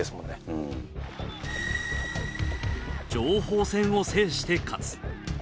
情報戦を制して勝つ。